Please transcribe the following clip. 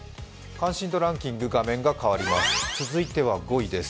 関心度ランキング画面が変わります。